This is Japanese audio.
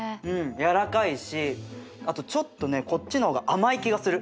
やわらかいしあとちょっとねこっちの方が甘い気がする。